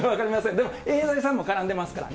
でもエーザイさんも絡んでますからね。